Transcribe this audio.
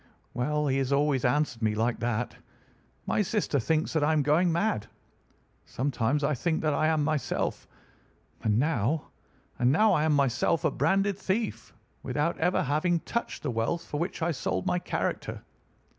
Well, he has always answered me like that. My sister thinks that I am going mad. Sometimes I think that I am myself. And now—and now I am myself a branded thief, without ever having touched the wealth for which I sold my character.